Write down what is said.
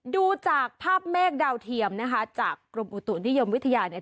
ดูจากภาพเมฆดาวเทียมนะคะจากกรมอุตุนิยมวิทยาเนี่ย